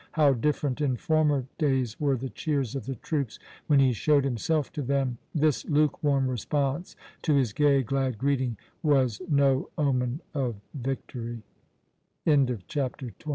How different in former days were the cheers of the troops when he showed himself to them! This lukewarm response to his gay, glad greeting was no omen of victory. CHAPTER XXII.